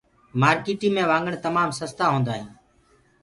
مآرڪيٚٽي مي وآگڻ تمآم سستآ هوندآ هينٚ